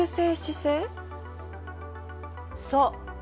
そう。